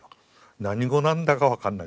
何語なんだか分かんない。